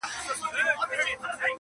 درته منصور سمه پردی له خپله ځانه سمه -